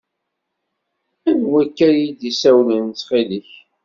Anwa akka d-isawalen, ttxil-k?